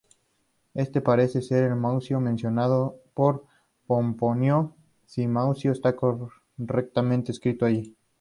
Este parece ser el Mucio mencionado por Pomponio, si Mucio está correctamente escrito allí.